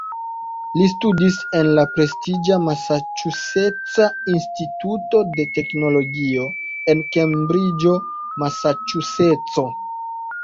Li studis en la prestiĝa "Masaĉuseca Instituto de Teknologio" en Kembriĝo, Masaĉuseco.